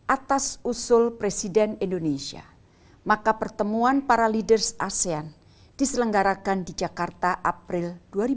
atas usul presiden indonesia maka pertemuan para leaders asean diselenggarakan di jakarta april dua ribu dua puluh